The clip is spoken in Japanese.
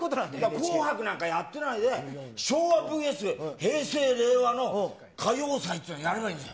紅白なんかやってないで、昭和ｖｓ平成・令和の歌謡祭っていうの、やればいいんだよ。